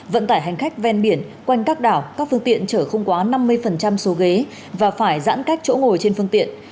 vận tải hành khách ven biển quanh các đảo các phương tiện chở không quá năm mươi số ghế và phải giãn cách chỗ ngồi trên phương tiện